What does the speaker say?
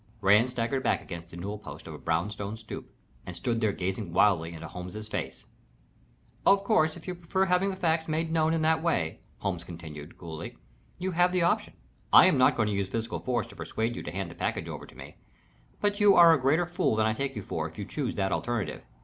Rand staggered back against the newel post of a brown stone stoop, and stood there gazing wildly into Holmes's face. "Of course, if you prefer having the facts made known in that way," Holmes continued, coolly, "you have the option. I am not going to use physical force to persuade you to hand the package over to me, but you are a greater fool than I take you for if you choose that alternative.